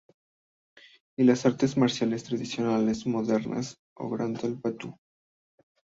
Y las artes marciales tradicionales modernas o Gendai Budō.